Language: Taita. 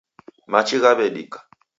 Machi ghaw'edika.